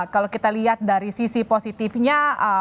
kalau kita lihat dari sisi positifnya